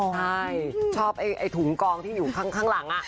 ใช่ชอบไอ้ถุงกองที่อยู่ข้างหลัง